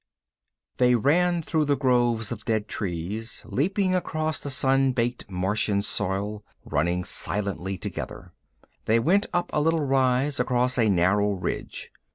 They ran through the groves of dead trees, leaping across the sun baked Martian soil, running silently together. They went up a little rise, across a narrow ridge.